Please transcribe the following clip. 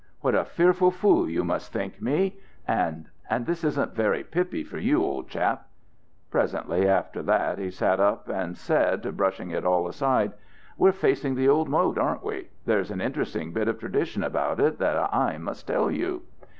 "What a fearful fool you must think me! And and this isn't very pippy for you, old chap." Presently, after that, he sat up, and said, brushing it all aside, "We're facing the old moat, aren't we? There's an interesting bit of tradition about it that I must tell you."